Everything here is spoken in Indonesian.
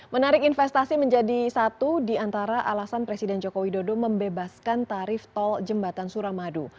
menarik investasi menjadi satu di antara alasan presiden joko widodo membebaskan tarif tol jembatan suramadu